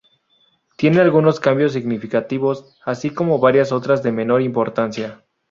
Tiene algunos cambios significativos, así como varias otras de menor importancia.